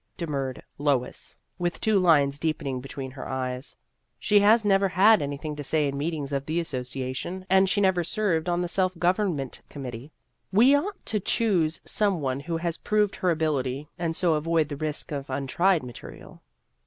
demurred Lois, with two lines deepening between her eyes ;" she has never had anything to say in meetings of the Association, and she never served on the self government committee. We o ought to choose some one who has proved her ability, and so avoid the risk of untried material."